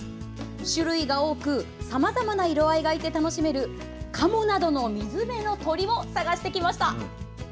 種類が多くさまざまな色合いがいて楽しめるカモなどの水辺の鳥を探してきました。